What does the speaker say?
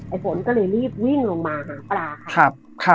ฝนก็เลยรีบวิ่งลงมาหาปลาค่ะ